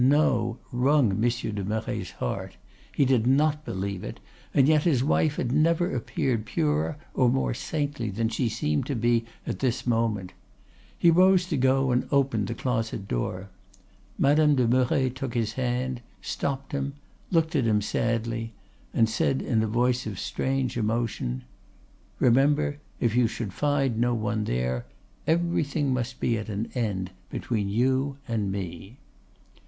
"This 'No' wrung Monsieur de Merret's heart; he did not believe it; and yet his wife had never appeared purer or more saintly than she seemed to be at this moment. He rose to go and open the closet door. Madame de Merret took his hand, stopped him, looked at him sadly, and said in a voice of strange emotion, 'Remember, if you should find no one there, everything must be at an end between you and me.